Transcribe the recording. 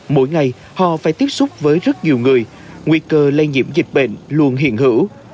mỗi ngày họ phải tiếp xúc với rất nhiều người nguy cơ lây nhiễm dịch bệnh luôn hiện hữu